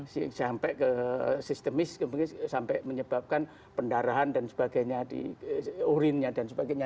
sampai ke sistemis sampai menyebabkan pendarahan dan sebagainya di urinnya dan sebagainya